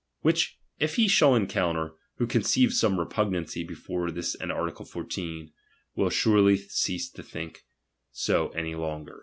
Which, if he shall consider, who conceived some repugnancy between this and art. 14', will surely cease to think so any longer.